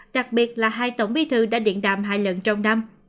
đặc biệt là hai tổng bí thư đã điện đàm hai lần trong năm